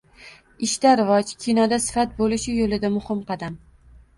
Ishda rivoj, kinoda sifat bo‘lishi yo‘lida muhim qadam